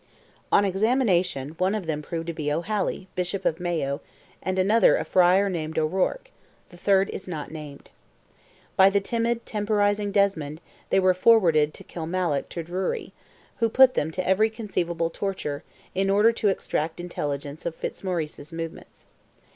On examination, one of them proved to be O'Haly, Bishop of Mayo, and another a friar named O'Rourke; the third is not named. By the timid, temporizing Desmond, they were forwarded to Kilmallock to Drury, who put them to every conceivable torture, in order to extract intelligence of Fitzmaurice's movements.